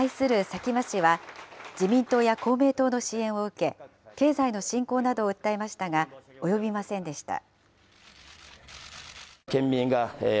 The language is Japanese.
佐喜真氏は、自民党や公明党の支援を受け、経済の振興などを訴えましたが及びませんでした。